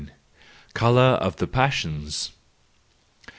Colour of the Passions